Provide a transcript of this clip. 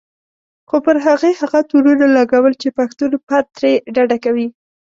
خو پر هغې هغه تورونه لګول چې پښتون پت ترې ډډه کوي.